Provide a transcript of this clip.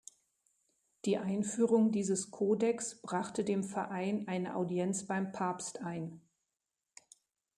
Die Einführung dieses Kodex brachte dem Verein eine Audienz beim Papst ein.